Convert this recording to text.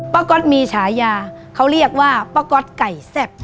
ก๊อตมีฉายาเขาเรียกว่าป้าก๊อตไก่แซ่บ